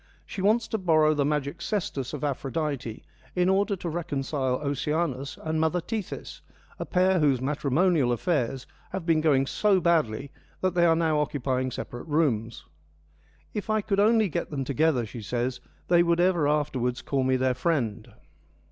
She wants to borrow the magic cestus of Aphrodite in order to reconcile Oceanus and mother Tethys, a pair whose matrimonial affairs have been going so badly that they are now occupying separate rooms. ' If I could only get them together,' she says, ' they would ever afterwards call me their friend.'